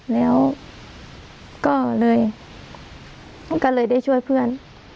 แล้วก็เลยก็เลยได้ช่วยเพื่อน